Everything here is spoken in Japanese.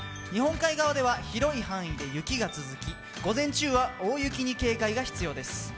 日本海側では広い範囲で雪が続き、午前中は大雪に警戒が必要です。